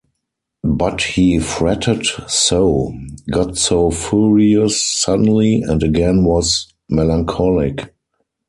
But he fretted so, got so furious suddenly, and again was melancholic.